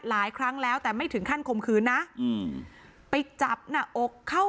หลายครั้งแล้วแต่ไม่ถึงขั้นคมคืนนะอืมไปจับหน้าอกเข้า